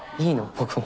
僕も。